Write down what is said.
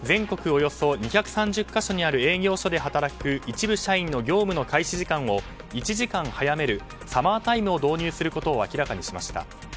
およそ２３０か所にある営業所で働く一部社員の業務の開始時間を１時間早める、サマータイムを導入することを明らかにしました。